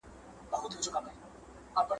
خپل اولادونه ښه روزلای سي